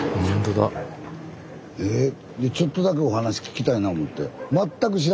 ちょっとだけお話聞きたいな思て。